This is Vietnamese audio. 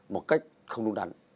một cách không đúng đắn